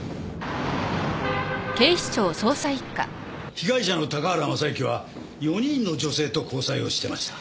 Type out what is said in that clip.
被害者の高原雅之は４人の女性と交際をしてました。